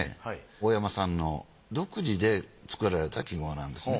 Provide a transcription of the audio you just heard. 大山さんの独自で作られた揮毫なんですね。